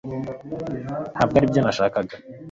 Ntabwo aribyo nashakaga